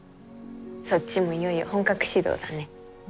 そっちもいよいよ本格始動だね。